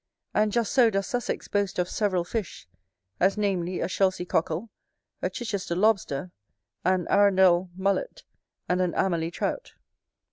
And just so does Sussex boast of several fish; as, namely, a Shelsey Cockle, a Chichester Lobster, an Arundel Mullet, and an Amerly Trout.